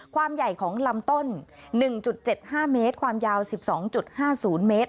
ความใหญ่ของลำต้น๑๗๕เมตรความยาว๑๒๕๐เมตร